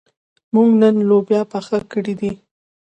موږ نن لوبیا پخه کړې ده.